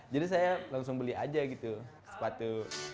jadi saya langsung beli aja gitu sepatu